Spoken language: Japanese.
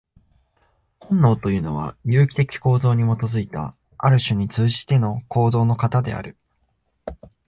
本能というのは、有機的構造に基いた、ある種に通じての行動の型である。